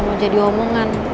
gak mau jadi omongan